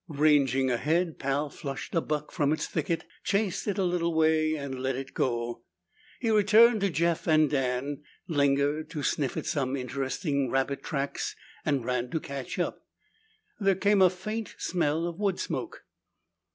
Ranging ahead, Pal flushed a buck from its thicket, chased it a little way, and let it go. He returned to Jeff and Dan, lingered to sniff at some interesting rabbit tracks, and ran to catch up. There came a faint smell of wood smoke.